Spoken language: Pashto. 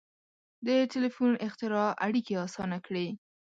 • د ټیلیفون اختراع اړیکې آسانه کړې.